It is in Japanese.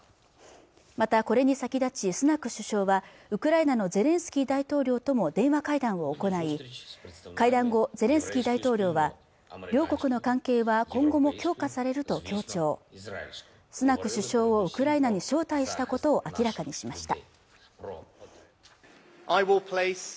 またこれに先立ちスナック首相はウクライナのゼレンスキー大統領とも電話会談を行い会談後ゼレンスキー大統領は両国の関係は今後も強化されると強調スナク首相をウクライナに招待したことを明らかにしました